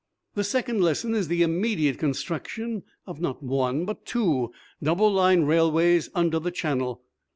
"The second lesson is the immediate construction of not one but two double lined railways under the Channel.